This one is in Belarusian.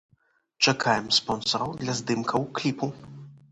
Чакаем спонсараў для здымкаў кліпу!